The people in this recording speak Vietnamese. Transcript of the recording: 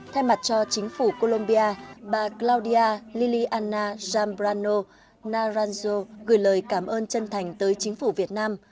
thay mặt cho chính phủ colombia bà claudia liliana zambrano naranjo gửi lời cảm ơn chân thành tới chính phủ việt nam